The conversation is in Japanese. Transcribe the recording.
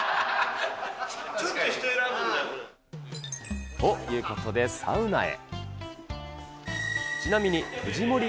ちょっと人選ぶんだよ。ということで、サウナへ。